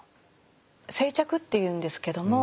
生着っていうんですけども。